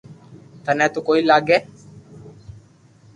ٿني تو ڪوئي لاگي